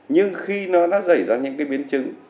nhưng khi nó xảy ra những biên chức